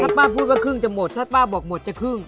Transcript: ถ้าป้าพูดว่าครึ่งจะหมดถ้าป้าบอกหมดจะครึ่ง